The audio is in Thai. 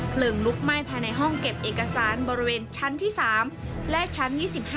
ลุกไหม้ภายในห้องเก็บเอกสารบริเวณชั้นที่๓และชั้น๒๕